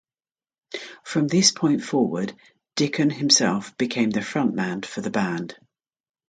From this point forward, Dickon himself became the frontman for the band.